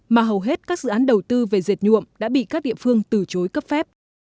mà hầu hết các dự án đầu tư về dệt nhuộm đã bị các địa phương từ chối cấp phép